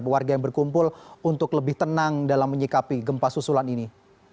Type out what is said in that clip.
warga yang berkumpul untuk lebih tenang dalam menyikapi gempa susulan ini